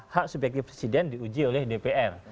hak subjektif presiden diuji oleh dpr